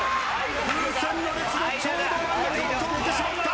風船の列のちょうど真ん中を通ってしまった。